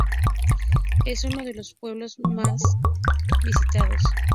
Es uno de los pueblos menos visitados.